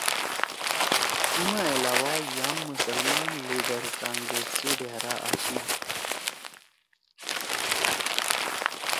اِی ما علاوہ یام مسلمان لیِڈر کانگرس سی ڈھأرا آشی